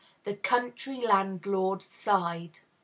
The Country Landlord's Side.